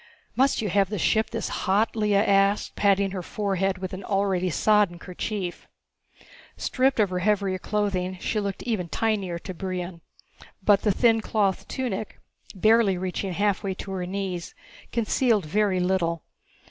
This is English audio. "Must you have the ship this hot?" Lea asked, patting her forehead with an already sodden kerchief. Stripped of her heavier clothing, she looked even tinier to Brion. But the thin cloth tunic reaching barely halfway to her knees concealed very little.